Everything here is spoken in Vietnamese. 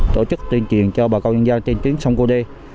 tổ chức tuyên truyền cho bà con nhân dân trên tuyến sông cô đê